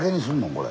これ。